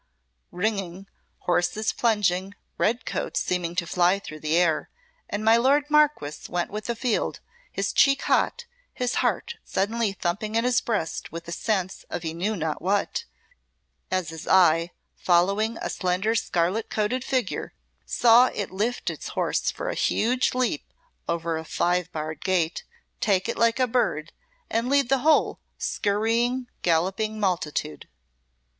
ringing, horses plunging, red coats seeming to fly through the air; and my lord Marquess went with the field, his cheek hot, his heart suddenly thumping in his breast with a sense of he knew not what, as his eye, following a slender, scarlet coated figure, saw it lift its horse for a huge leap over a five barred gate, take it like a bird, and lead the whole scurrying, galloping multitude.